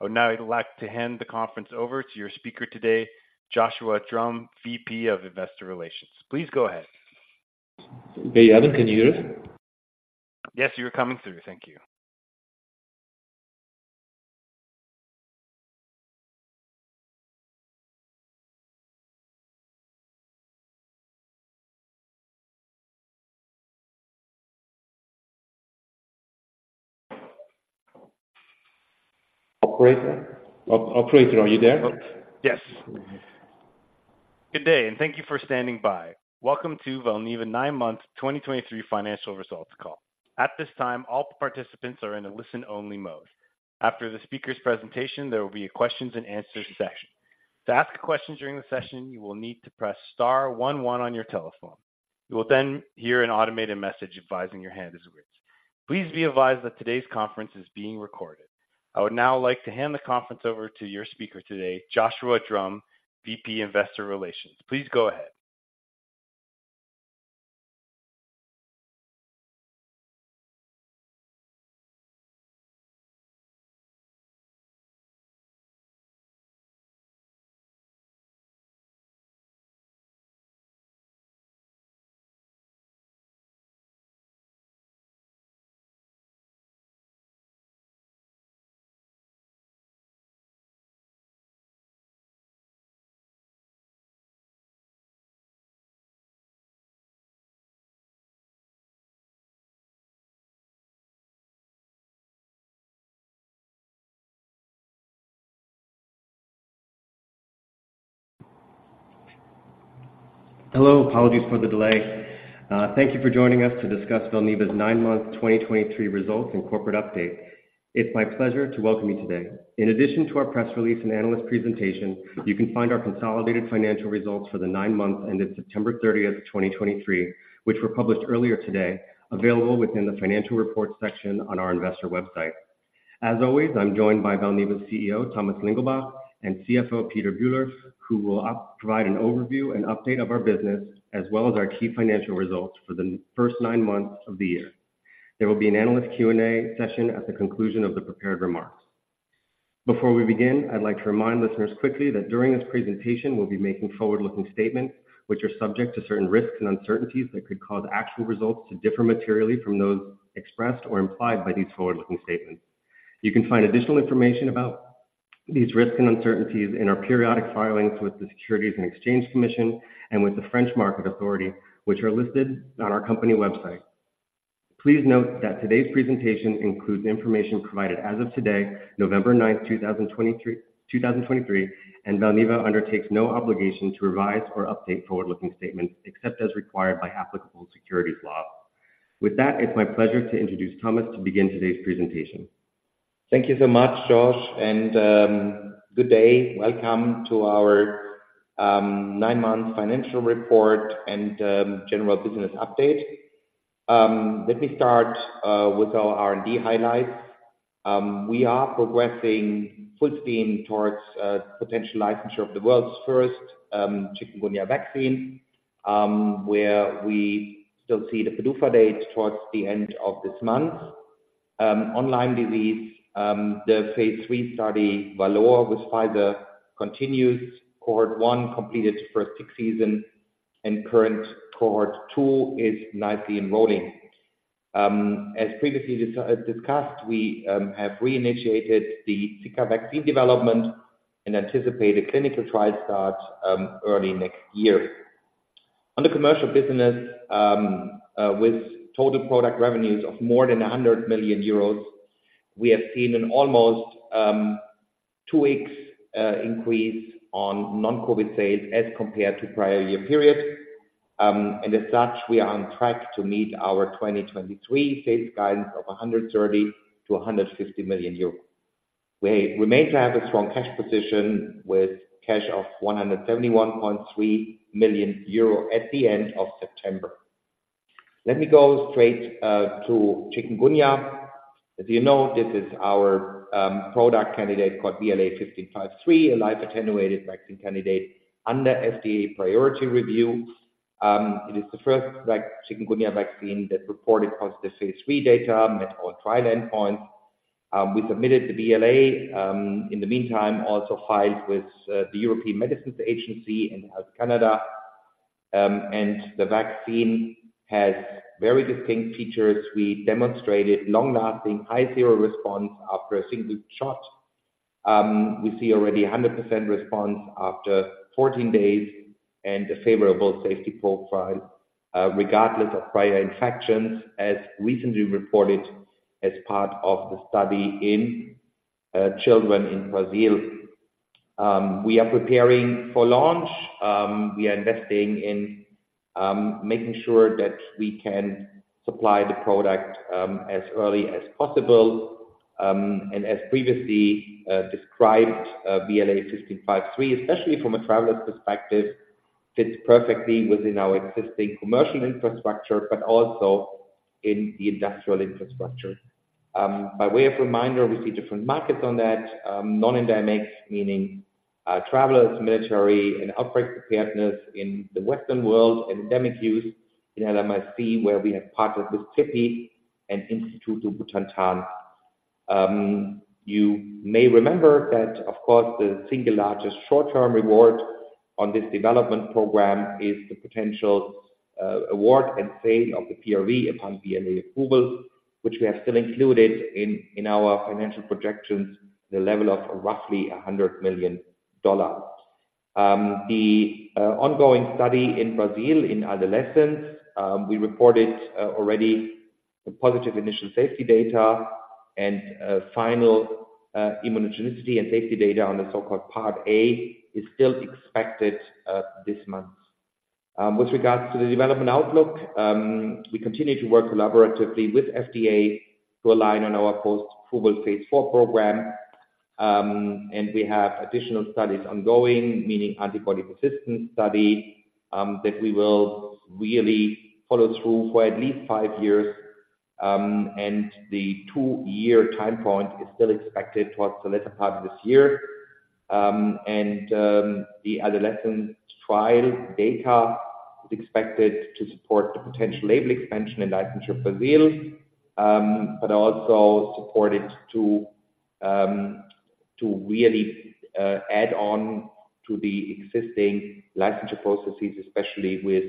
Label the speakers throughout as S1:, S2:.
S1: I would now like to hand the conference over to your speaker today, Joshua Drumm, VP, Investor Relations. Please go ahead.
S2: Hello. Apologies for the delay. Thank you for joining us to discuss Valneva's nine-month 2023 results and corporate update. It's my pleasure to welcome you today. In addition to our press release and analyst presentation, you can find our consolidated financial results for the nine months ended September 30th, 2023, which were published earlier today, available within the Financial Reports section on our investor website. As always, I'm joined by Valneva's CEO, Thomas Lingelbach, and CFO, Peter Bühler, who will provide an overview and update of our business, as well as our key financial results for the first nine months of the year. There will be an analyst Q&A session at the conclusion of the prepared remarks. Before we begin, I'd like to remind listeners quickly that during this presentation, we'll be making forward-looking statements, which are subject to certain risks and uncertainties that could cause actual results to differ materially from those expressed or implied by these forward-looking statements. You can find additional information about these risks and uncertainties in our periodic filings with the Securities and Exchange Commission and with the French Market Authority, which are listed on our company website. Please note that today's presentation includes information provided as of today, November 9th, 2023, and Valneva undertakes no obligation to revise or update forward-looking statements except as required by applicable securities law. With that, it's my pleasure to introduce Thomas to begin today's presentation.
S3: Thank you so much, Josh, and good day. Welcome to our nine-month financial report and general business update. Let me start with our R&D highlights. We are progressing full steam towards potential licensure of the world's first chikungunya vaccine, where we still see the PDUFA date towards the end of this month. On Lyme disease, the phase III study, VALOR, with Pfizer continues. Cohort 1 completed its first tick season, and current Cohort 2 is nicely enrolling. As previously discussed, we have reinitiated the Zika vaccine development and anticipate a clinical trial start early next year. On the commercial business, with total product revenues of more than 100 million euros, we have seen an almost two-week increase on non-COVID sales as compared to prior year periods. And as such, we are on track to meet our 2023 sales guidance of 130 million-150 million euros. We remain to have a strong cash position with cash of 171.3 million euro at the end of September. Let me go straight to chikungunya. As you know, this is our product candidate called VLA1553, a live-attenuated vaccine candidate under FDA priority review. It is the first chikungunya vaccine that reported positive phase III data, met all trial endpoints. We submitted the BLA. In the meantime, also filed with the European Medicines Agency and Health Canada. And the vaccine has very distinct features. We demonstrated long-lasting, high titer response after a single shot. We see already 100% response after 14 days and a favorable safety profile, regardless of prior infections, as recently reported as part of the study in children in Brazil. We are preparing for launch. We are investing in making sure that we can supply the product as early as possible. And as previously described, VLA1553, especially from a traveler's perspective, fits perfectly within our existing commercial infrastructure, but also in the industrial infrastructure. By way of reminder, we see different markets on that, non-endemic, meaning travelers, military, and outbreak preparedness in the Western world, and endemic use in LMIC, where we have partnered with Instituto Butantan. You may remember that, of course, the single largest short-term reward on this development program is the potential award and sale of the PRV upon BLA approval, which we have still included in our financial projections, the level of roughly $100 million. The ongoing study in Brazil in adolescents, we reported already the positive initial safety data and final immunogenicity and safety data on the so-called Part A, is still expected this month. With regards to the development outlook, we continue to work collaboratively with FDA to align on our post-approval phase IV program. And we have additional studies ongoing, meaning antibody persistence study, that we will really follow through for at least five years, and the two-year time point is still expected towards the latter part of this year. The adolescent trial data is expected to support the potential label expansion and licensure in Brazil, but also support it to really add on to the existing licensure processes, especially with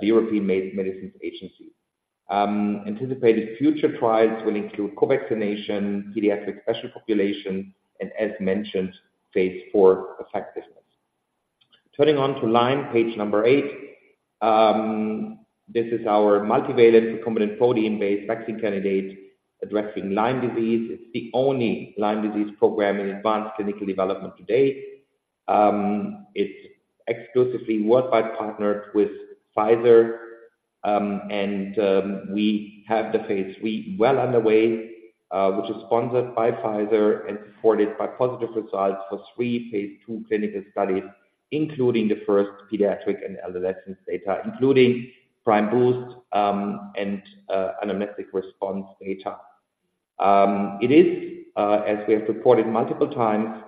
S3: the European Medicines Agency. Anticipated future trials will include co-vaccination, pediatric, special population, and as mentioned, phase IV effectiveness. Turning to Lyme, page eight. This is our multivalent recombinant protein-based vaccine candidate addressing Lyme disease. It's the only Lyme disease program in advanced clinical development to date. It's exclusively partnered with Pfizer, and we have the phase III well underway, which is sponsored by Pfizer and supported by positive results for three phase II clinical studies, including the first pediatric and adolescent data, including prime boost, and anamnestic response data. It is, as we have reported multiple times,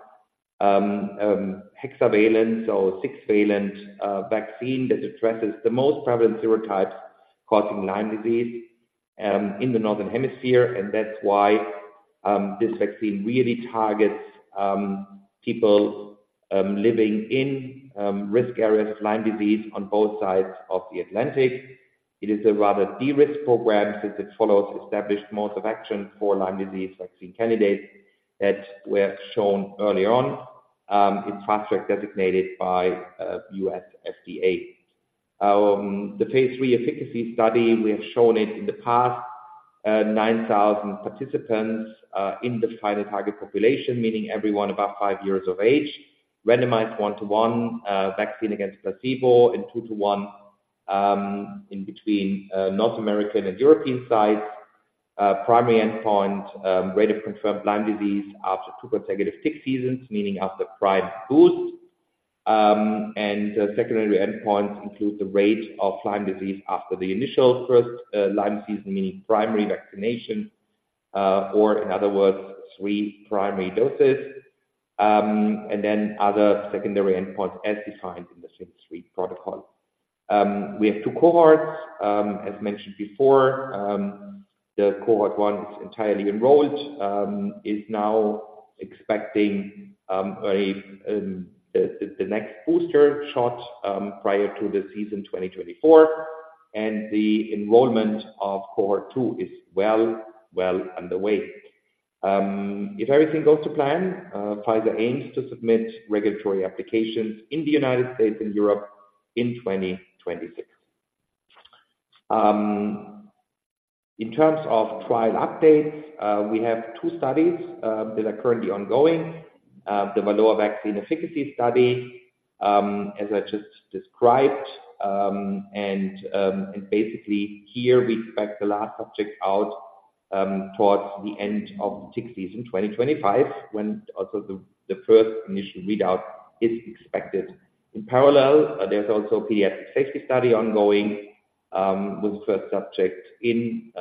S3: hexavalent, so six-valent, vaccine that addresses the most prevalent serotypes causing Lyme disease, in the Northern Hemisphere, and that's why this vaccine really targets people living in risk areas of Lyme disease on both sides of the Atlantic. It is a rather de-risk program, since it follows established modes of action for Lyme disease vaccine candidates that were shown early on in Fast Track designated by U.S. FDA. The phase III efficacy study, we have shown it in the past, 9,000 participants in the final target population, meaning everyone about five years of age, randomized 1:1, vaccine against placebo and 2:1 in between North American and European sites. Primary endpoint, rate of confirmed Lyme disease after two consecutive tick seasons, meaning after prime boost. Secondary endpoints include the rate of Lyme disease after the initial first Lyme season, meaning primary vaccination, or in other words, three primary doses. Then other secondary endpoints as defined in the same study protocol. We have two cohorts. As mentioned before, Cohort 1 is entirely enrolled, is now expecting the next booster shot prior to the season 2024, and the enrollment of Cohort 2 is well underway. If everything goes to plan, Pfizer aims to submit regulatory applications in the United States and Europe in 2026. In terms of trial updates, we have two studies that are currently ongoing. The VLA15 vaccine efficacy study, as I just described, and basically here we expect the last subject out towards the end of the tick season, 2025, when also the first initial readout is expected. In parallel, there's also pediatric safety study ongoing, with the first subject in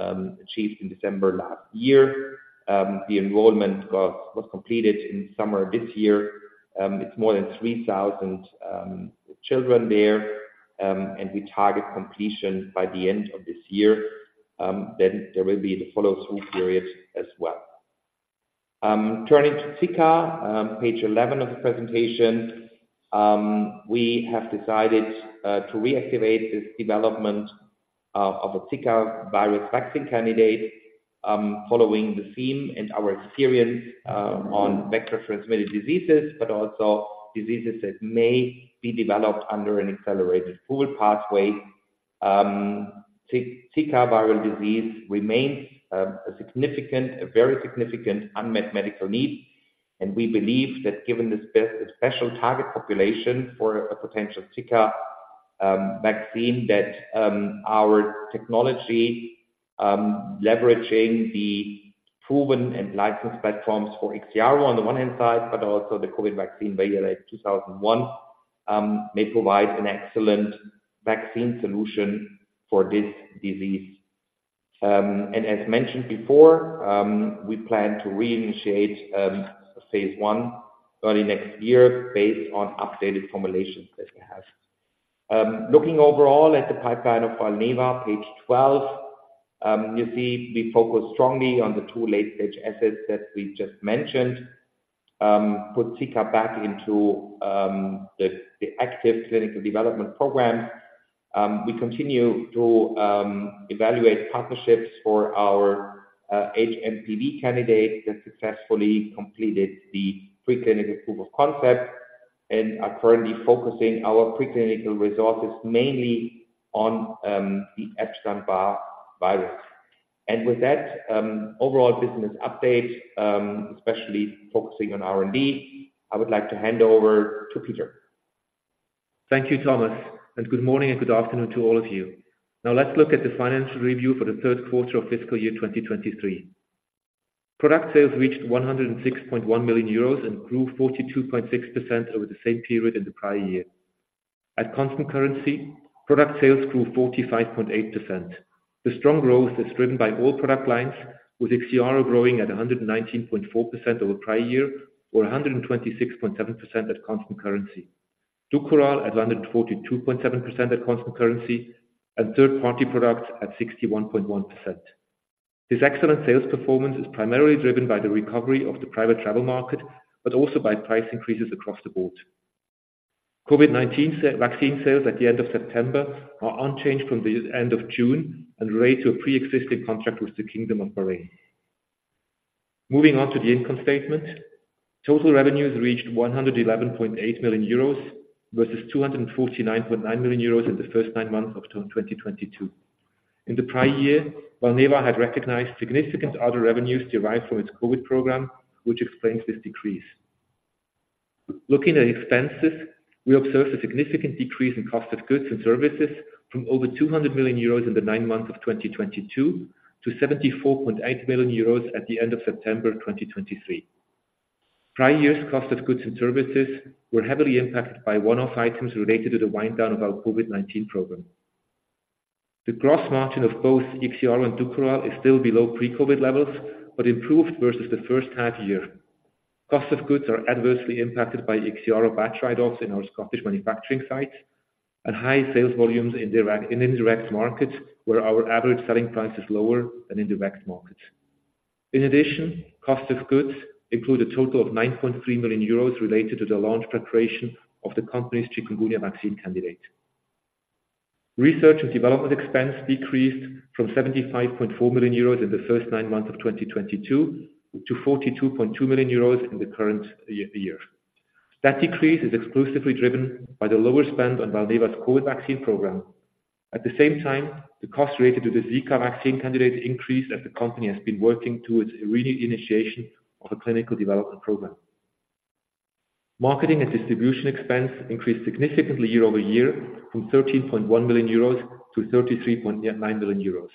S3: achieved in December last year. The enrollment was completed in summer this year. It's more than 3,000 children there, and we target completion by the end of this year. Then there will be the follow-through period as well. Turning to Zika, page 11 of the presentation. We have decided to reactivate this development of a Zika virus vaccine candidate, following the theme and our experience on vector-transmitted diseases, but also diseases that may be developed under an accelerated approval pathway. Zika viral disease remains a significant, a very significant unmet medical need... And we believe that given this special target population for a potential Zika vaccine, that our technology leveraging the proven and licensed platforms for IXIARO on the one hand side, but also the COVID vaccine, VLA2001, may provide an excellent vaccine solution for this disease. And as mentioned before, we plan to reinitiate phase I early next year based on updated formulations that we have. Looking overall at the pipeline of Valneva, page 12, you see, we focus strongly on the two late-stage assets that we just mentioned. Put Zika back into the active clinical development program. We continue to evaluate partnerships for our hMPV candidate that successfully completed the preclinical proof of concept, and are currently focusing our preclinical resources mainly on the Epstein-Barr virus. With that, overall business update, especially focusing on R&D, I would like to hand over to Peter.
S4: Thank you, Thomas, and good morning and good afternoon to all of you. Now, let's look at the financial review for the third quarter of fiscal year 2023. Product sales reached 106.1 million euros, and grew 42.6% over the same period in the prior year. At constant currency, product sales grew 45.8%. The strong growth is driven by all product lines, with IXIARO growing at a 119.4% over prior year, or a 126.7% at constant currency. DUKORAL at a 142.7% at constant currency, and third-party products at 61.1%. This excellent sales performance is primarily driven by the recovery of the private travel market, but also by price increases across the board. COVID-19 vaccine sales at the end of September are unchanged from the end of June and relate to a pre-existing contract with the Kingdom of Bahrain. Moving on to the income statement. Total revenues reached 111.8 million euros, versus 249.9 million euros in the first nine months of 2022. In the prior year, Valneva had recognized significant other revenues derived from its COVID program, which explains this decrease. Looking at expenses, we observe a significant decrease in cost of goods and services from over 200 million euros in the nine months of 2022, to 74.8 million euros at the end of September 2023. Prior years, cost of goods and services were heavily impacted by one-off items related to the wind down of our COVID-19 program. The gross margin of both IXIARO and DUKORAL is still below pre-COVID levels, but improved versus the first half year. Cost of goods are adversely impacted by IXIARO batch write-offs in our Scottish manufacturing site, and high sales volumes in direct, in indirect markets, where our average selling price is lower than indirect markets. In addition, cost of goods include a total of 9.3 million euros related to the launch preparation of the company's chikungunya vaccine candidate. Research and development expense decreased from 75.4 million euros in the first nine months of 2022, to 42.2 million euros in the current year. That decrease is exclusively driven by the lower spend on Valneva's COVID vaccine program. At the same time, the cost related to the Zika vaccine candidate increased, as the company has been working towards reinitiation of a clinical development program. Marketing and distribution expense increased significantly year-over-year, from 13.1 million-33.9 million euros.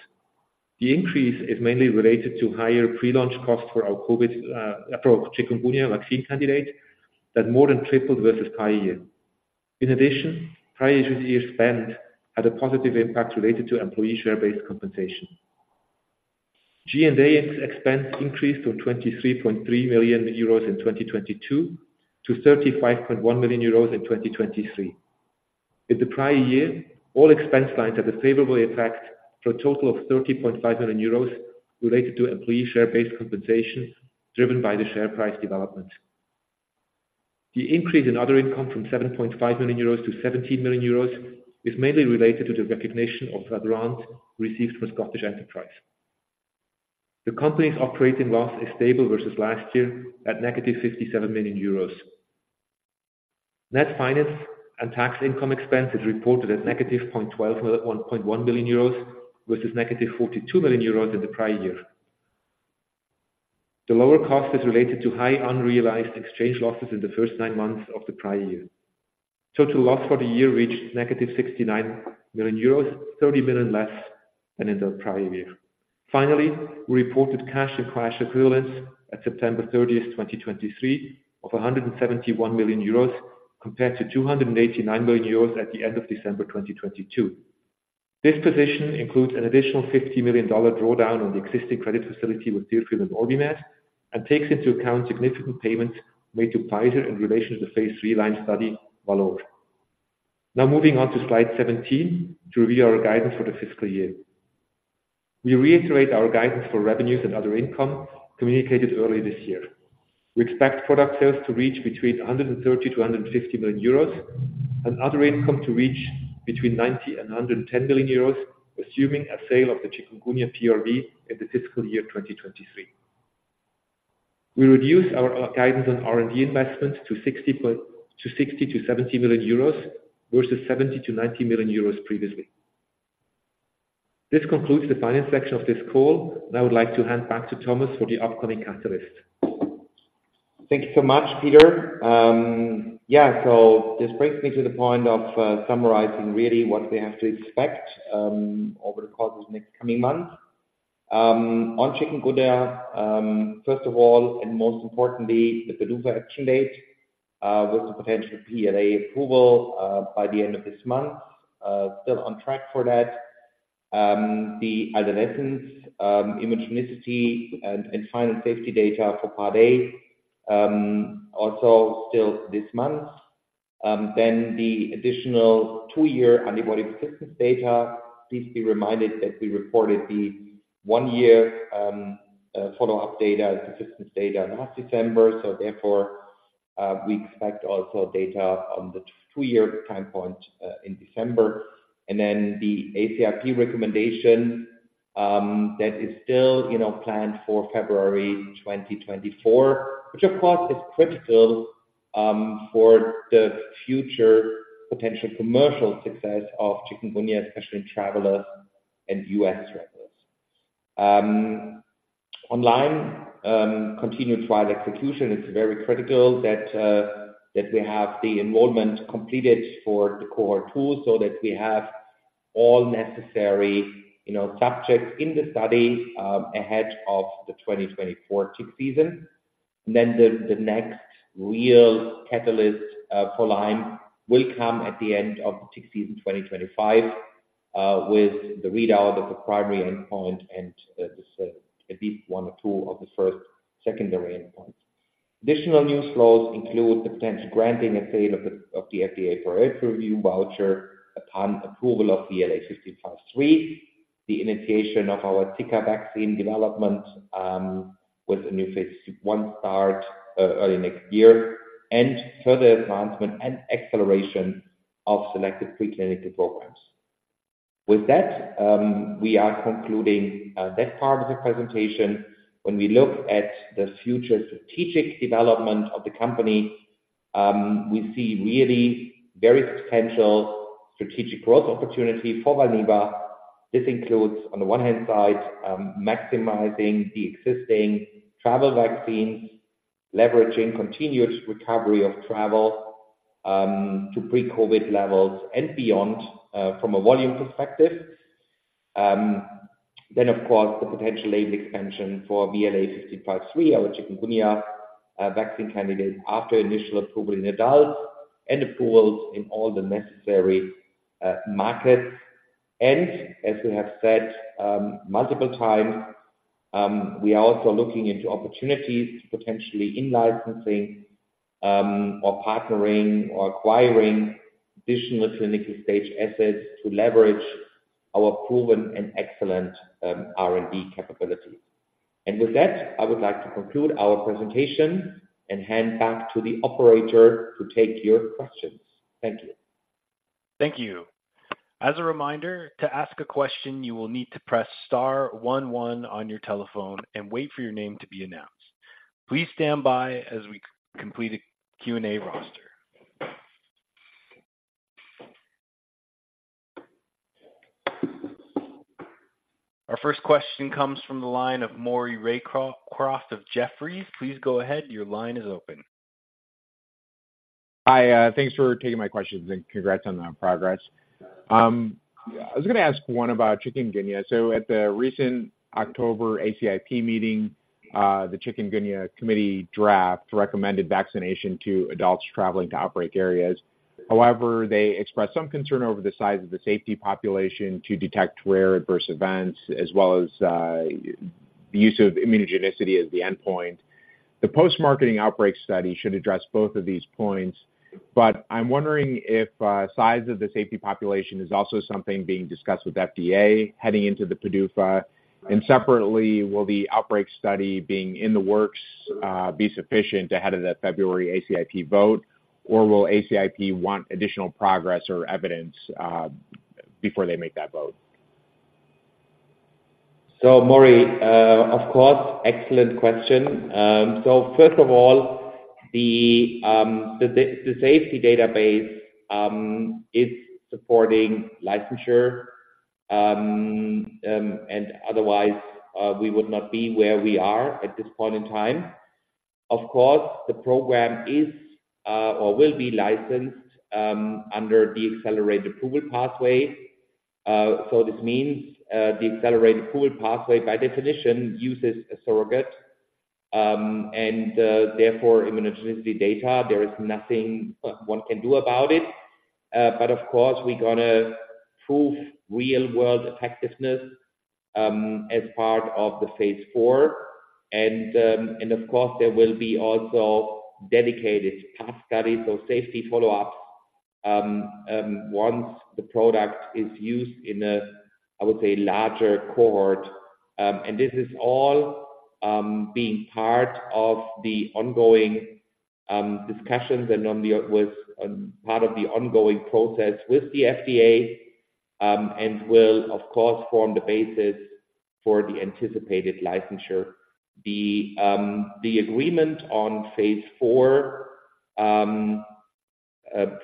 S4: The increase is mainly related to higher pre-launch costs for our COVID, for chikungunya vaccine candidate, that more than tripled versus prior year. In addition, prior year spend had a positive impact related to employee share-based compensation. G&A expense increased from 23.3 million euros in 2022, to 35.1 million euros in 2023. In the prior year, all expense lines have been favorably affected for a total of 30.5 million euros related to employee share-based compensation, driven by the share price development. The increase in other income from 7.5 million-17 million euros, is mainly related to the recognition of a grant received from Scottish Enterprise. The company's operating loss is stable versus last year, at -57 million euros. Net finance and tax income expense is reported at -0.12 million euros, EUR 0.1 million, versus -42 million euros in the prior year. The lower cost is related to high unrealized exchange losses in the first nine months of the prior year. Total loss for the year reached -69 million euros, 30 million less than in the prior year. Finally, we reported cash and cash equivalents at September 30th, 2023, of 171 million euros, compared to 289 million euros at the end of December 2022. This position includes an additional 50 million draw down on the existing credit facility with Deerfield and OrbiMed, and takes into account significant payments made to Pfizer in relation to the phase III Lyme study, VALOR. Now moving on to slide 17, to review our guidance for the fiscal year. We reiterate our guidance for revenues and other income communicated early this year. We expect product sales to reach between 130 million euros and 150 million euros, and other income to reach between 90 million euros and 110 million euros, assuming a sale of the chikungunya PRV in the fiscal year 2023. We reduce our guidance on R&D investments to 60 million-70 million euros, versus 70 million-90 million euros previously. This concludes the finance section of this call. I would like to hand back to Thomas for the upcoming catalyst.
S3: Thank you so much, Peter. Yeah, so this brings me to the point of summarizing really what we have to expect over the course of next coming months. On chikungunya, first of all, and most importantly, the PDUFA action date with the potential BLA approval by the end of this month still on track for that. The adolescents immunogenicity and final safety data for PED/AD also still this month. Then the additional two-year antibody persistence data. Please be reminded that we reported the one-year follow-up data, the persistence data last December. So therefore we expect also data on the two-year time point in December. Then the ACIP recommendation, that is still, you know, planned for February 2024, which of course, is critical, for the future potential commercial success of chikungunya, especially in travelers and U.S. travelers. On Lyme, continued trial execution, it's very critical that we have the enrollment completed for the Cohort 2, so that we have all necessary, you know, subjects in the study, ahead of the 2024 tick season. Then the next real catalyst, for Lyme will come at the end of the tick season, 2025, with the readout of the primary endpoint and, at least one or two of the first secondary endpoints. Additional news flows include the potential granting and sale of the FDA priority review voucher upon approval of the VLA1553, the initiation of our VLA15 vaccine development, with a new phase I start early next year, and further advancement and acceleration of selected preclinical programs. With that, we are concluding that part of the presentation. When we look at the future strategic development of the company, we see really very potential strategic growth opportunity for Valneva. This includes, on the one hand side, maximizing the existing travel vaccines, leveraging continuous recovery of travel to pre-COVID levels and beyond from a volume perspective. Then, of course, the potential label expansion for VLA1553, our chikungunya vaccine candidate after initial approval in adults and approvals in all the necessary markets. As we have said multiple times, we are also looking into opportunities to potentially in-licensing or partnering or acquiring additional clinical stage assets to leverage our proven and excellent R&D capabilities. With that, I would like to conclude our presentation and hand back to the operator to take your questions. Thank you.
S1: Thank you. As a reminder, to ask a question, you will need to press star one one on your telephone and wait for your name to be announced. Please stand by as we complete a Q&A roster. Our first question comes from the line of Maury Raycroft of Jefferies. Please go ahead. Your line is open.
S5: Hi, thanks for taking my questions, and congrats on the progress. I was going to ask one about chikungunya. So at the recent October ACIP meeting, the Chikungunya committee draft recommended vaccination to adults traveling to outbreak areas. However, they expressed some concern over the size of the safety population to detect rare adverse events, as well as the use of immunogenicity as the endpoint. The post-marketing outbreak study should address both of these points, but I'm wondering if size of the safety population is also something being discussed with FDA heading into the PDUFA? And separately, will the outbreak study being in the works be sufficient ahead of the February ACIP vote, or will ACIP want additional progress or evidence before they make that vote?
S3: So Maury, of course, excellent question. So first of all, the safety database is supporting licensure, and otherwise, we would not be where we are at this point in time. Of course, the program is or will be licensed under the Accelerated Approval Pathway. So this means, the Accelerated Approval Pathway, by definition, uses a surrogate and therefore immunogenicity data. There is nothing one can do about it. But of course, we're going to prove real-world effectiveness as part of the phase IV. Of course, there will be also dedicated phase IV studies or safety follow-ups once the product is used in a, I would say, larger cohort. This is all being part of the ongoing discussions and on the with part of the ongoing process with the FDA, and will, of course, form the basis for the anticipated licensure. The agreement on phase IV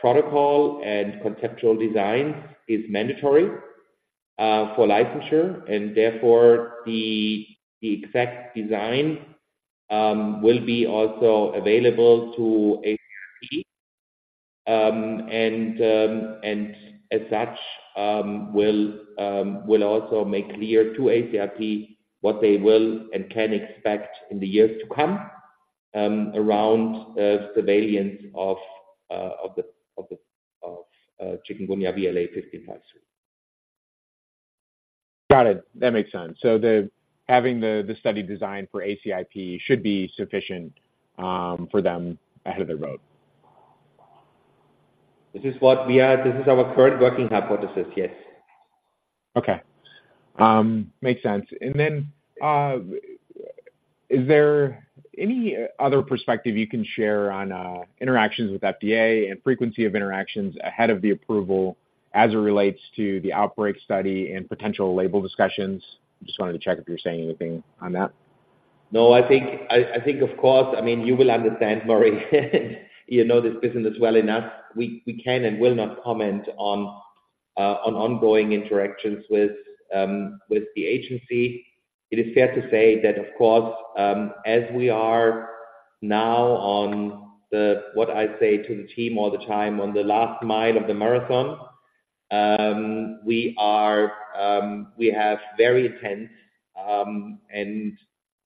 S3: protocol and conceptual designs is mandatory for licensure, and therefore the exact design will be also available to ACIP. And as such, will also make clear to ACIP what they will and can expect in the years to come around surveillance of the chikungunya VLA1553.
S5: Got it. That makes sense. So having the study design for ACIP should be sufficient for them ahead of the road.
S3: This is what we are. This is our current working hypothesis, yes.
S5: Okay. Makes sense. And then, is there any other perspective you can share on interactions with FDA and frequency of interactions ahead of the approval as it relates to the outbreak study and potential label discussions? Just wanted to check if you're saying anything on that.
S3: No, I think, of course, I mean, you will understand, Maury, you know this business well enough. We can and will not comment on ongoing interactions with the agency. It is fair to say that, of course, as we are now on the, what I say to the team all the time, on the last mile of the marathon, we have very intense and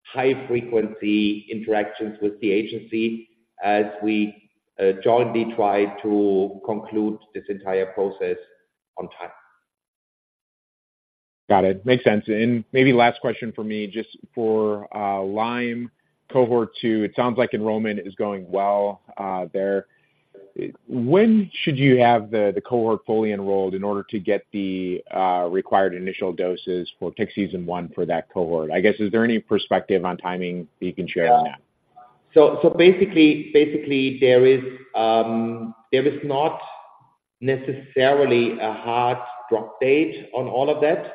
S3: high frequency interactions with the agency as we jointly try to conclude this entire process on time.
S5: Got it. Makes sense. Maybe last question for me, just for Lyme Cohort 2, it sounds like enrollment is going well, there. When should you have the cohort fully enrolled in order to get the required initial doses for tick season one for that cohort? I guess, is there any perspective on timing you can share on that?
S3: Yeah. So basically, there is not necessarily a hard drop date on all of that.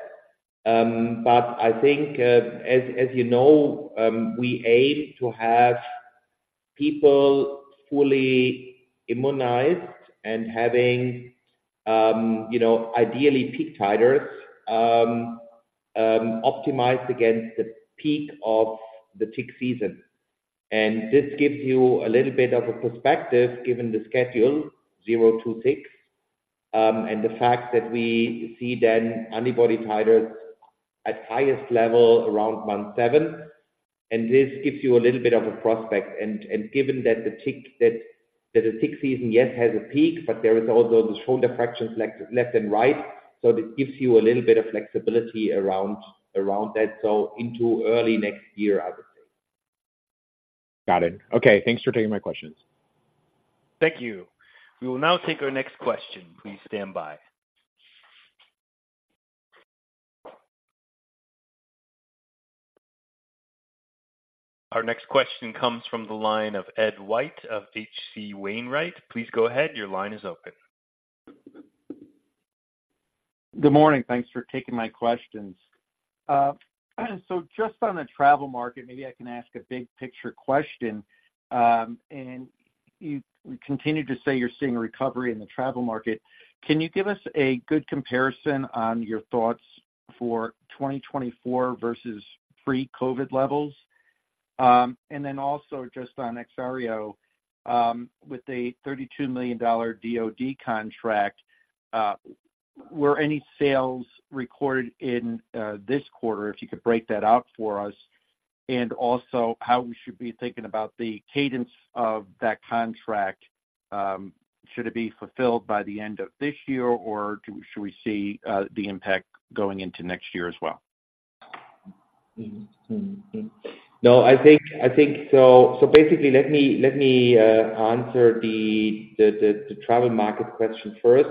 S3: But I think, as you know, we aim to have people fully immunized and having, you know, ideally peak titers, optimized against the peak of the tick season. And this gives you a little bit of a perspective, given the schedule, zero-six, and the fact that we see then antibody titers at highest level around month seven, and this gives you a little bit of a prospect. And given that the tick season, yes, has a peak, but there is also the shoulder fractions left and right, so this gives you a little bit of flexibility around that. So into early next year, I would say.
S5: Got it. Okay, thanks for taking my questions.
S1: Thank you. We will now take our next question. Please stand by. Our next question comes from the line of Ed White of H.C. Wainwright. Please go ahead. Your line is open.
S6: Good morning. Thanks for taking my questions. So just on the travel market, maybe I can ask a big picture question. And you continue to say you're seeing a recovery in the travel market. Can you give us a good comparison on your thoughts for 2024 versus pre-COVID levels? And then also just on IXIARO, with the $32 million DoD contract, were any sales recorded in this quarter? If you could break that out for us, and also how we should be thinking about the cadence of that contract, should it be fulfilled by the end of this year, or should we see the impact going into next year as well?
S3: No, I think so. So basically, let me answer the travel market question first.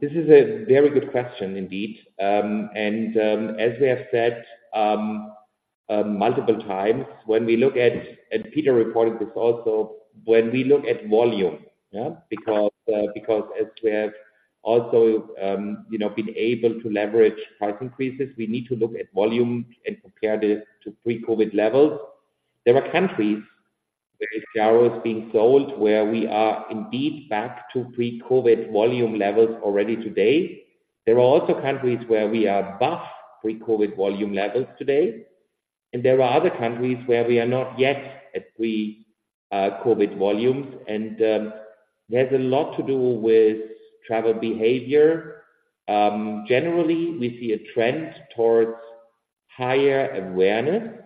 S3: This is a very good question indeed. And as we have said multiple times, when we look at, and Peter reported this also, when we look at volume, yeah, because as we have also you know been able to leverage price increases, we need to look at volume and compare this to pre-COVID levels. There are countries where IXIARO is being sold, where we are indeed back to pre-COVID volume levels already today. There are also countries where we are above pre-COVID volume levels today, and there are other countries where we are not yet at pre-COVID volumes, and there's a lot to do with travel behavior. Generally, we see a trend towards higher awareness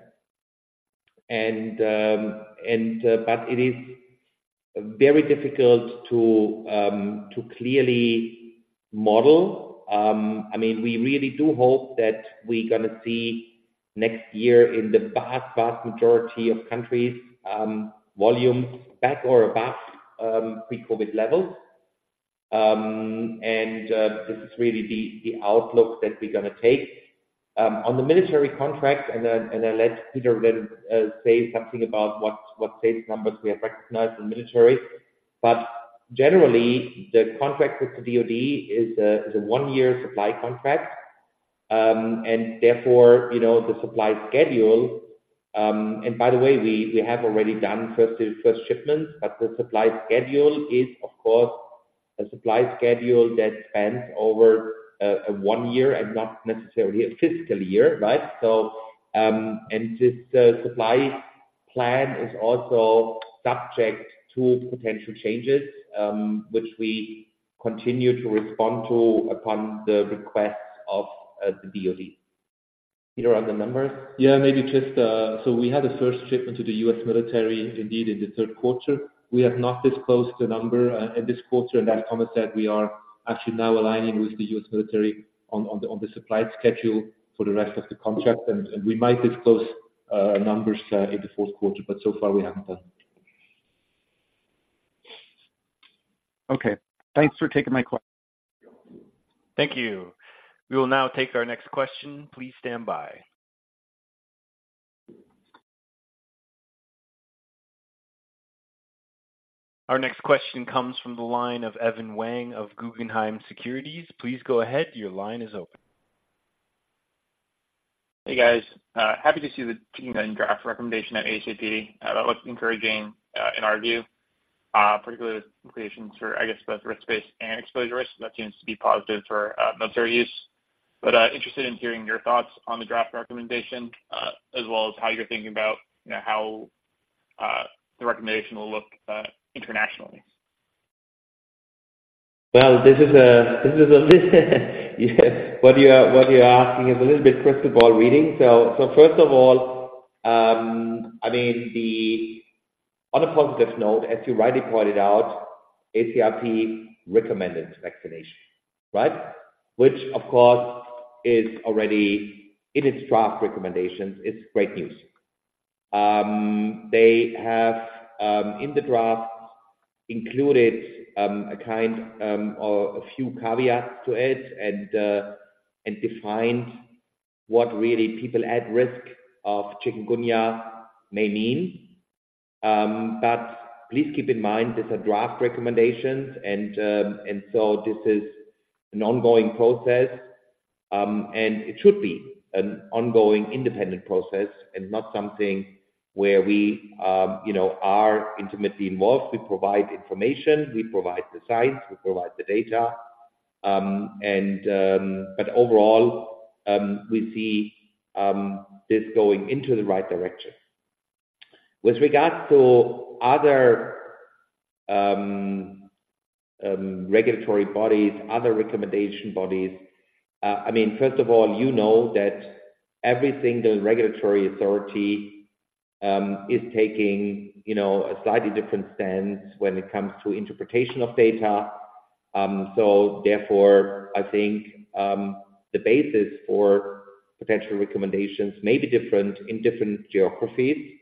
S3: and, and, but it is very difficult to clearly model. I mean, we really do hope that we're gonna see next year in the vast, vast majority of countries, volumes back or above, pre-COVID levels. And, this is really the, the outlook that we're gonna take. On the military contract, and then let Peter say something about what sales numbers we have recognized in military. But generally, the contract with the DoD is a one-year supply contract. And therefore, you know, the supply schedule, and by the way, we have already done first shipments, but the supply schedule is, of course, a supply schedule that spans over a one-year and not necessarily a fiscal year, right? So, this supply plan is also subject to potential changes, which we continue to respond to upon the request of the DoD. Peter, on the numbers?
S4: Yeah, maybe just, so we had a first shipment to the U.S. military, indeed, in the third quarter. We have not disclosed the number in this quarter, and as Thomas said, we are actually now aligning with the U.S. military on the supply schedule for the rest of the contract, and we might disclose numbers in the fourth quarter, but so far we haven't done.
S6: Okay. Thanks for taking my question.
S1: Thank you. We will now take our next question. Please stand by. Our next question comes from the line of Evan Wang of Guggenheim Securities. Please go ahead. Your line is open.
S7: Hey, guys. Happy to see the chikungunya draft recommendation at ACIP. That looks encouraging, in our view, particularly the implications for, I guess, both risk-based and exposure risk, that seems to be positive for, military use. But, interested in hearing your thoughts on the draft recommendation, as well as how you're thinking about, you know, how, the recommendation will look, internationally.
S3: Well, this is a yes. What you're asking is a little bit crystal ball reading. So, first of all, I mean, on a positive note, as you rightly pointed out, ACIP recommended vaccination, right? Which, of course, is already in its draft recommendations. It's great news. They have, in the draft, included a kind, or a few caveats to it and, and defined what really people at risk of chikungunya may mean. But please keep in mind, these are draft recommendations, and so this is an ongoing process, and it should be an ongoing independent process and not something where we, you know, are intimately involved. We provide information, we provide the science, we provide the data, and, but overall, we see this going into the right direction. With regards to other regulatory bodies, other recommendation bodies, I mean, first of all, you know that every single regulatory authority is taking, you know, a slightly different stance when it comes to interpretation of data. So therefore, I think the basis for potential recommendations may be different in different geographies.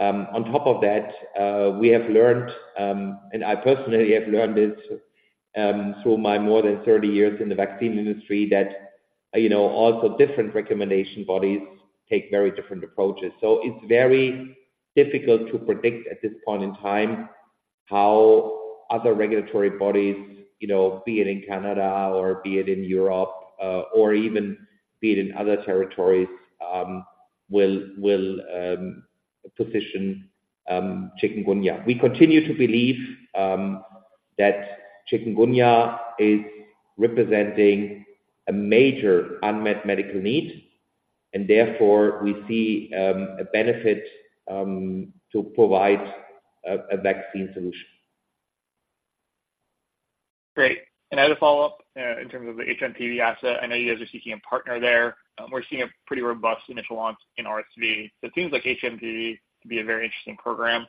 S3: On top of that, we have learned and I personally have learned this through my more than 30 years in the vaccine industry, that, you know, also different recommendation bodies take very different approaches. So it's very difficult to predict at this point in time, how other regulatory bodies, you know, be it in Canada or be it in Europe or even be it in other territories will position chikungunya. We continue to believe that chikungunya is representing a major unmet medical need, and therefore, we see a benefit to provide a vaccine solution.
S7: Great. And as a follow-up, in terms of the hMPV asset, I know you guys are seeking a partner there. We're seeing a pretty robust initial launch in RSV. It seems like hMPV could be a very interesting program.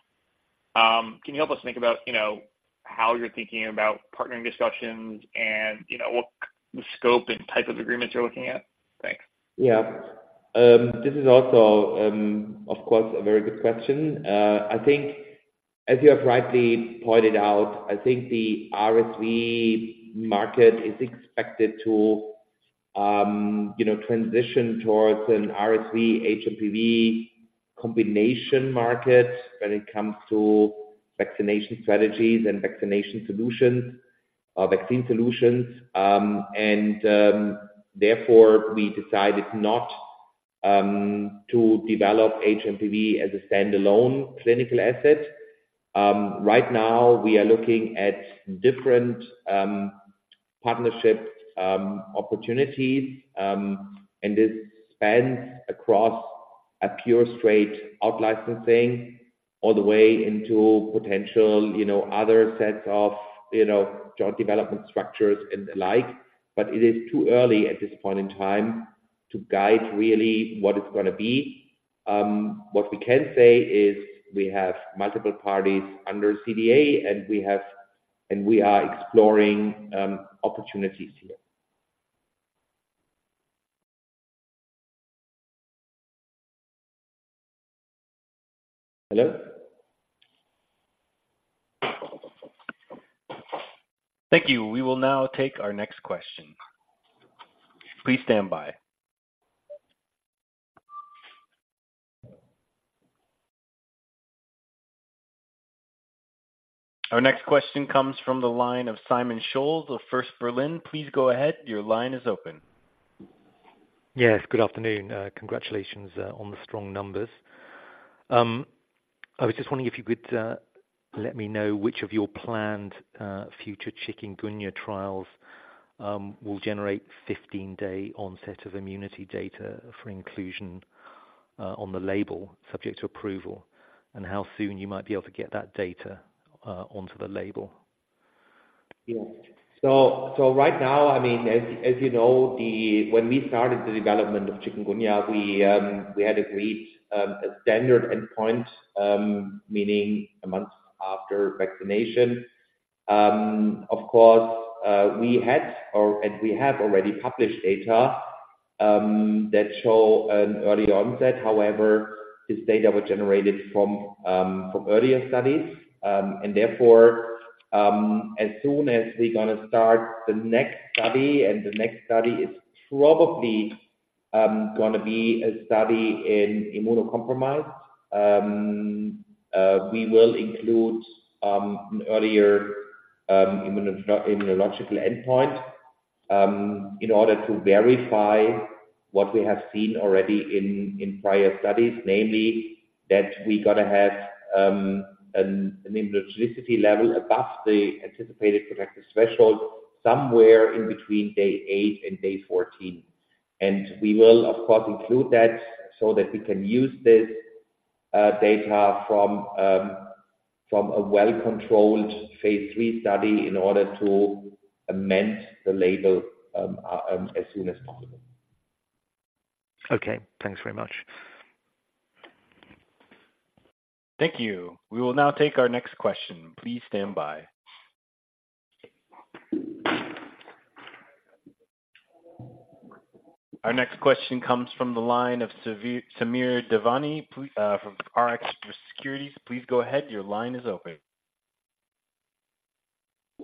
S7: Can you help us think about, you know, how you're thinking about partnering discussions and, you know, what the scope and type of agreements you're looking at? Thanks.
S3: Yeah. This is also, of course, a very good question. I think as you have rightly pointed out, I think the RSV market is expected to, you know, transition towards an RSV-hMPV combination market when it comes to vaccination strategies and vaccination solutions, vaccine solutions. And, therefore, we decided not to develop hMPV as a standalone clinical asset. Right now, we are looking at different, partnership, opportunities, and this spans across a pure straight out licensing, all the way into potential, you know, other sets of, you know, joint development structures and the like, but it is too early at this point in time to guide really what it's gonna be. What we can say is we have multiple parties under CDA, and we are exploring, opportunities here. Hello?
S1: Thank you. We will now take our next question. Please stand by.... Our next question comes from the line of Simon Scholes of First Berlin. Please go ahead. Your line is open.
S8: Yes, good afternoon. Congratulations on the strong numbers. I was just wondering if you could let me know which of your planned future chikungunya trials will generate 15-day onset of immunity data for inclusion on the label subject to approval, and how soon you might be able to get that data onto the label?
S3: Yeah. So right now, I mean, as you know, when we started the development of chikungunya, we had agreed a standard endpoint, meaning a month after vaccination. Of course, we had, and we have already published data that show an early onset. However, this data were generated from earlier studies. And therefore, as soon as we're gonna start the next study, and the next study is probably gonna be a study in immunocompromised. We will include an earlier immunological endpoint, in order to verify what we have seen already in prior studies. Namely, that we gotta have an immunogenicity level above the anticipated protective threshold, somewhere in between day eight and day 14. We will, of course, include that so that we can use this data from a well-controlled phase III study in order to amend the label as soon as possible.
S8: Okay. Thanks very much.
S1: Thank you. We will now take our next question. Please stand by. Our next question comes from the line of Samir Devani from Rx Securities. Please go ahead. Your line is open.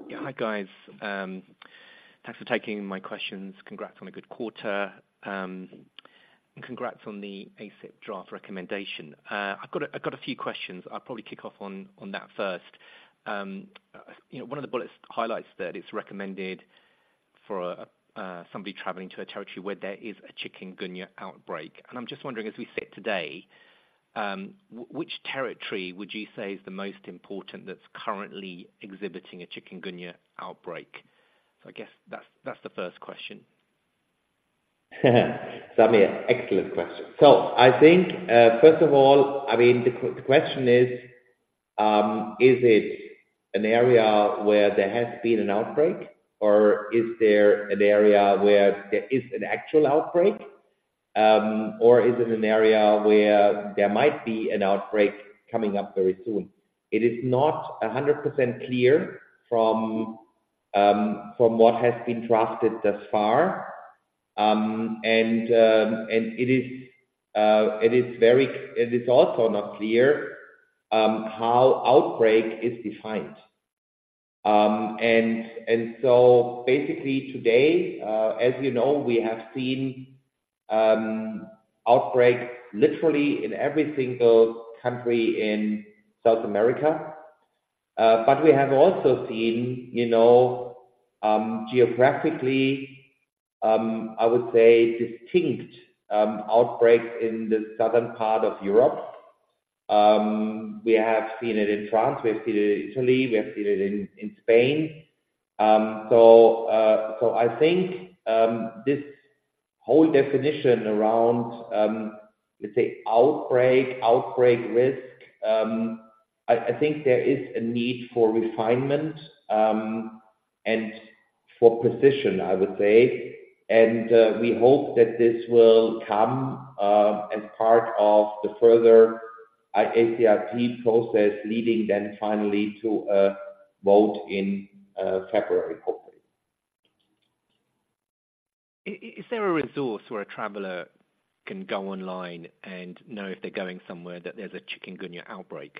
S9: Yeah. Hi, guys. Thanks for taking my questions. Congrats on a good quarter, and congrats on the ACIP draft recommendation. I've got a few questions. I'll probably kick off on that first. You know, one of the bullets highlights that it's recommended for somebody traveling to a territory where there is a chikungunya outbreak. And I'm just wondering, as we sit today, which territory would you say is the most important that's currently exhibiting a chikungunya outbreak? So I guess that's the first question.
S3: Samir, excellent question. So I think, first of all, I mean, the question is, is it an area where there has been an outbreak, or is there an area where there is an actual outbreak, or is it an area where there might be an outbreak coming up very soon? It is not 100% clear from what has been drafted thus far. And it is also not clear how outbreak is defined. And so basically today, as you know, we have seen outbreaks literally in every single country in South America. But we have also seen, you know, geographically, I would say, distinct outbreaks in the southern part of Europe. We have seen it in France, we have seen it in Italy, we have seen it in Spain. So I think this whole definition around, let's say, outbreak, outbreak risk, I think there is a need for refinement and for precision, I would say. And we hope that this will come as part of the further ACIP process, leading then finally to a vote in February, hopefully.
S9: Is there a resource where a traveler can go online and know if they're going somewhere that there's a chikungunya outbreak?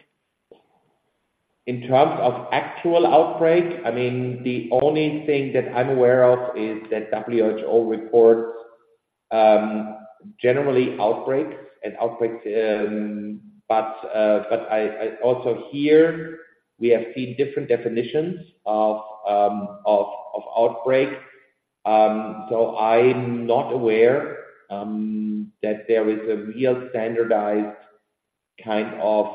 S3: In terms of actual outbreak, I mean, the only thing that I'm aware of is that WHO reports generally outbreaks. But I also hear we have seen different definitions of outbreaks. So I'm not aware that there is a real standardized kind of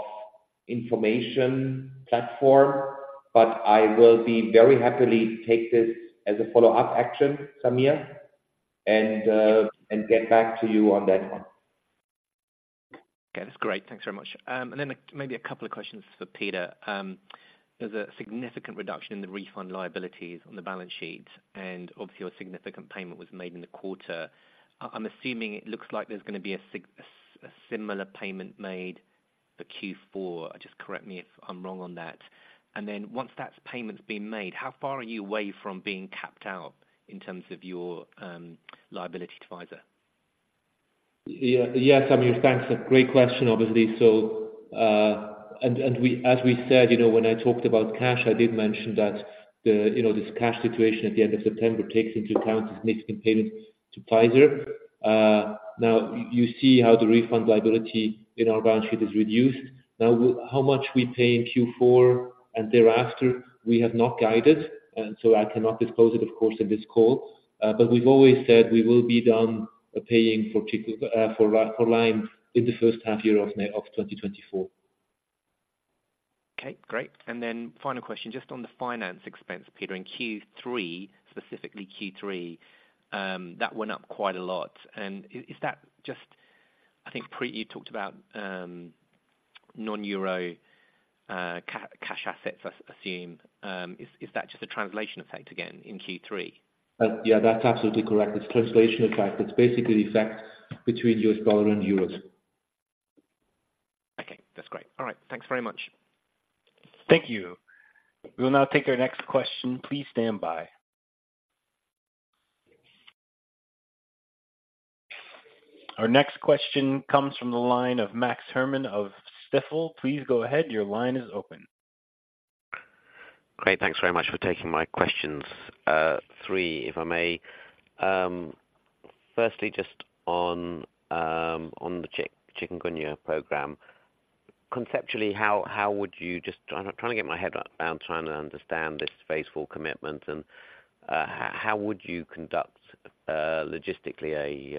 S3: information platform, but I will be very happily take this as a follow-up action, Samir, and get back to you on that one.
S9: Okay, that's great. Thanks very much. And then maybe a couple of questions for Peter. There's a significant reduction in the refund liabilities on the balance sheet, and obviously, a significant payment was made in the quarter. I'm assuming it looks like there's gonna be a similar payment made for Q4. Just correct me if I'm wrong on that. And then once that payment's been made, how far are you away from being capped out in terms of your liability to Pfizer?...
S4: Yeah, yes, Amir, thanks. A great question, obviously. So, as we said, you know, when I talked about cash, I did mention that the, you know, this cash situation at the end of September takes into account this significant payment to Pfizer. Now, you see how the refund liability in our balance sheet is reduced. Now, how much we pay in Q4 and thereafter, we have not guided, and so I cannot disclose it, of course, in this call. But we've always said we will be done paying for the tick, for Lyme in the first half of May of 2024.
S9: Okay, great. And then final question, just on the finance expense, Peter, in Q3, specifically Q3, that went up quite a lot. And is that just... I think you talked about non-Euro cash assets, I assume. Is that just a translation effect again in Q3?
S4: Yeah, that's absolutely correct. It's translation effect. It's basically the effect between U.S. dollar and euros.
S9: Okay, that's great. All right. Thanks very much.
S1: Thank you. We will now take our next question. Please stand by. Our next question comes from the line of Max Herrmann of Stifel. Please go ahead. Your line is open.
S10: Great, thanks very much for taking my questions, three, if I may. First, just on the chikungunya program. Conceptually, how would you just... I'm trying to get my head around trying to understand this phase IV commitment and how would you conduct logistically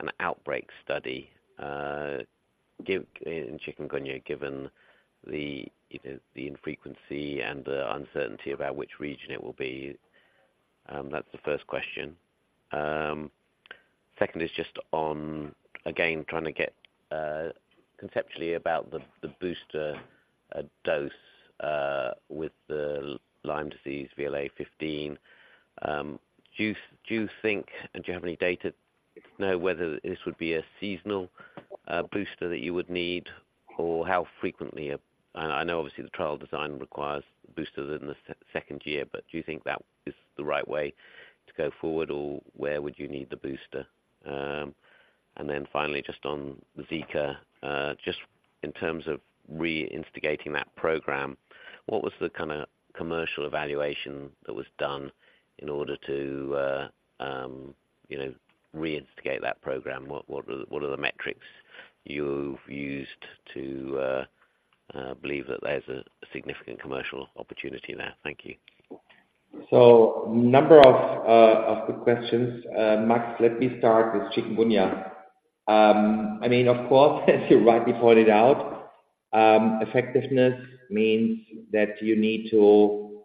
S10: an outbreak study given in chikungunya, given the, you know, the infrequency and the uncertainty about which region it will be? That's the first question. Second is just on, again, trying to get conceptually about the booster dose with the Lyme disease VLA15. Do you think, and do you have any data to know whether this would be a seasonal booster that you would need, or how frequently it—I know obviously the trial design requires boosters in the second year, but do you think that is the right way to go forward, or where would you need the booster? And then finally, just on the Zika, just in terms of reinstigating that program, what was the kinda commercial evaluation that was done in order to, you know, reinstigate that program? What are the metrics you've used to believe that there's a significant commercial opportunity there? Thank you.
S3: So, number of good questions. Max, let me start with chikungunya. I mean, of course, as you rightly pointed out, effectiveness means that you need to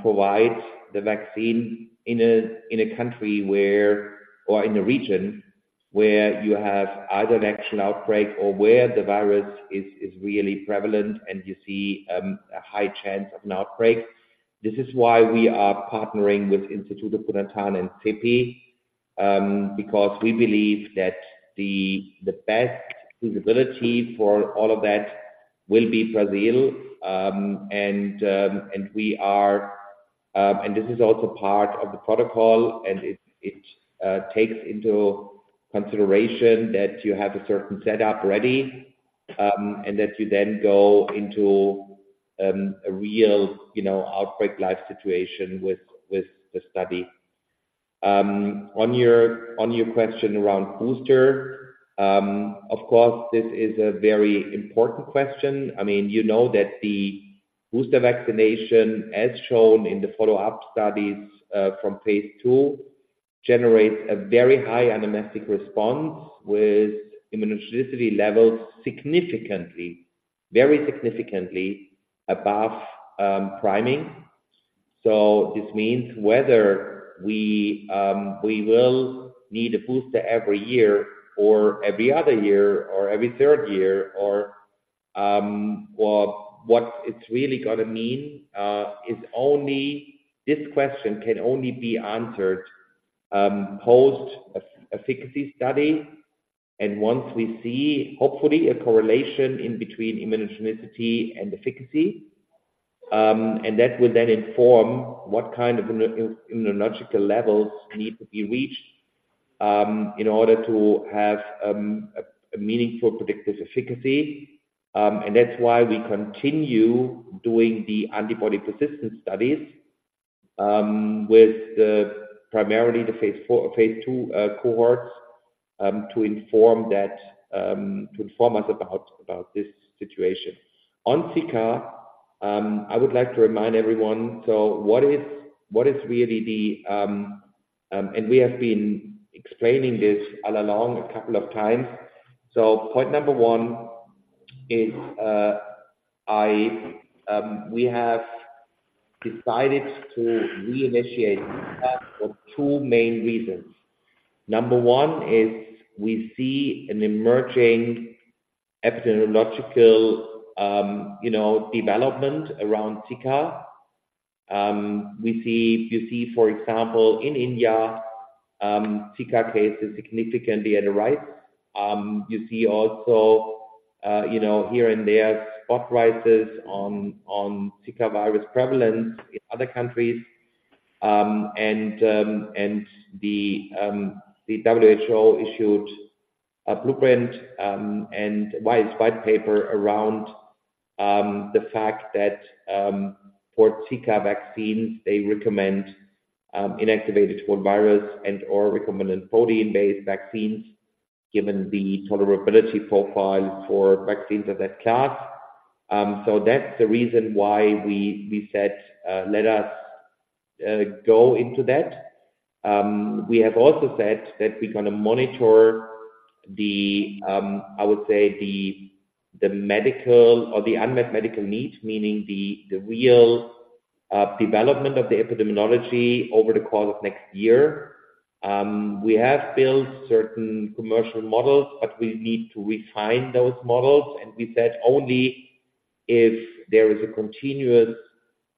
S3: provide the vaccine in a country where, or in a region where you have either an actual outbreak or where the virus is really prevalent and you see a high chance of an outbreak. This is why we are partnering with Instituto Butantan and CEPI, because we believe that the best visibility for all of that will be Brazil. And this is also part of the protocol, and it takes into consideration that you have a certain setup ready, and that you then go into a real, you know, outbreak life situation with the study. On your question around booster, of course, this is a very important question. I mean, you know that the booster vaccination, as shown in the follow-up studies, from phase II, generates a very high anamnestic response with immunogenicity levels significantly, very significantly above, priming. So this means whether we, we will need a booster every year or every other year or every third year, or, well, what it's really gonna mean, is only, this question can only be answered, post an efficacy study. And once we see, hopefully, a correlation in between immunogenicity and efficacy, and that will then inform what kind of immunological levels need to be reached, in order to have, a meaningful predictive efficacy. And that's why we continue doing the antibody persistence studies, with primarily the phase IV, phase II cohorts, to inform that, to inform us about, about this situation. On Zika, I would like to remind everyone, so what is, what is really the, and we have been explaining this all along a couple of times. So point number one is, I, we have decided to reinitiate for two main reasons. Number one is we see an emerging epidemiological, you know, development around Zika. We see, you see, for example, in India, Zika cases significantly on the rise. You see also, you know, here and there, spot rises on, on Zika virus prevalence in other countries.... And the WHO issued a blueprint and white paper around the fact that for Zika vaccines, they recommend inactivated for virus and or recombinant protein-based vaccines, given the tolerability profile for vaccines of that class. So that's the reason why we said, let us go into that. We have also said that we're gonna monitor the, I would say, the medical or the unmet medical needs, meaning the real development of the epidemiology over the course of next year. We have built certain commercial models, but we need to refine those models, and we said only if there is a continuous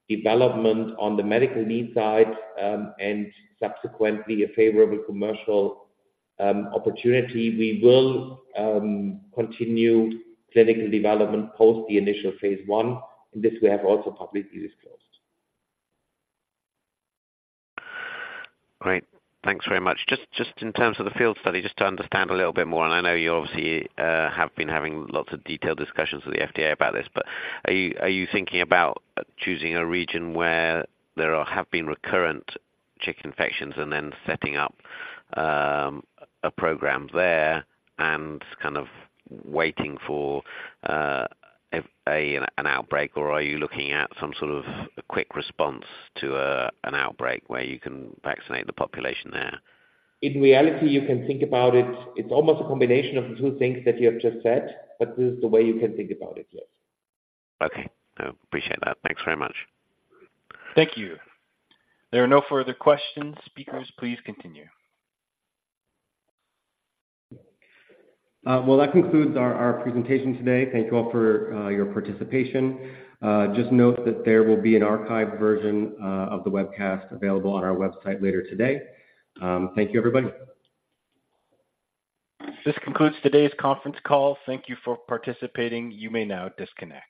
S3: development on the medical needs side, and subsequently a favorable commercial opportunity, we will continue clinical development post the initial phase I, and this we have also publicly disclosed.
S10: Great. Thanks very much. Just in terms of the field study, just to understand a little bit more, and I know you obviously have been having lots of detailed discussions with the FDA about this, but are you thinking about choosing a region where there have been recurrent CHIK infections and then setting up a program there and kind of waiting for an outbreak? Or are you looking at some sort of a quick response to an outbreak where you can vaccinate the population there?
S3: In reality, you can think about it. It's almost a combination of the two things that you have just said, but this is the way you can think about it, yes.
S10: Okay. I appreciate that. Thanks very much.
S1: Thank you. There are no further questions. Speakers, please continue.
S2: Well, that concludes our presentation today. Thank you all for your participation. Just note that there will be an archived version of the webcast available on our website later today. Thank you, everybody.
S1: This concludes today's conference call. Thank you for participating. You may now disconnect.